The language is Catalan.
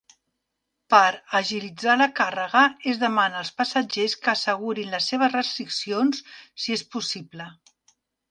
Per a agilitzar la càrrega, es demana als passatgers que assegurin les seves restriccions, si és possible.